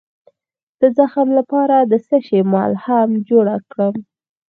د زخم لپاره د څه شي ملهم جوړ کړم؟